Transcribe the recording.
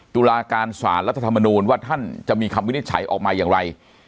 ตุลาการสารรัฐธรรมนูญว่าท่านจะมีคำวินิจฉัยออกมาอย่างไร